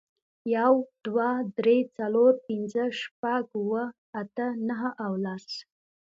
یو، دوه، درې، څلور، پینځه، شپږ، اووه، اته، نهه او لس